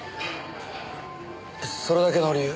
それだけの理由？